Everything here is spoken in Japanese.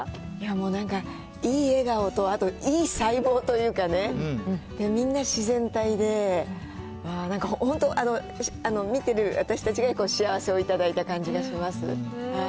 もうなんか、いい笑顔と、あといい細胞というかね、みんな自然体で、なんか本当、見てる私たちが幸せを頂いた感じがします。